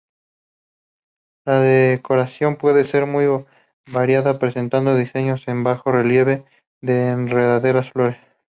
La decoración puede ser muy variada presentando diseños en bajo relieve de enredaderas, flores.